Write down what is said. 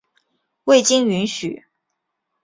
未经允许